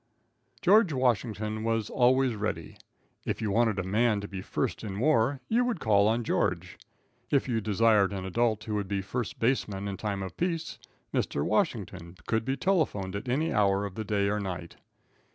George Washington was always ready. If you wanted a man to be first in war, you could call on George. If you desired an adult who would be first baseman in time of peace, Mr. Washington could be telephoned at any hour of the day or night.